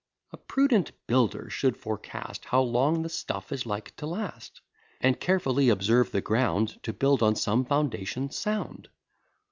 A prudent builder should forecast How long the stuff is like to last; And carefully observe the ground, To build on some foundation sound.